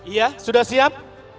ya sudah siap